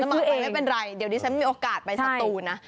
จะมาไปไม่เป็นไรเดี๋ยวนี้ฉันไม่มีโอกาสไปสตูนะ